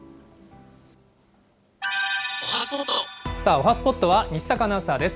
おはＳＰＯＴは西阪アナウンサーです。